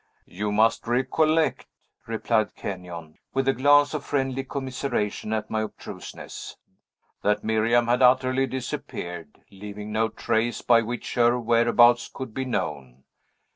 "You must recollect," replied Kenyon, with a glance of friendly commiseration at my obtuseness, "that Miriam had utterly disappeared, leaving no trace by which her whereabouts could be known.